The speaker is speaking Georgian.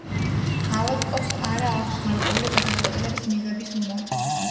ავადმყოფს არა აქვს გარკვეული გადაწყვეტილების მიღების უნარი.